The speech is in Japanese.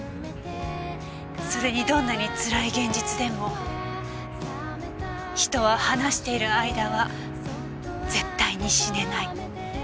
それにどんなにつらい現実でも人は話している間は絶対に死ねない。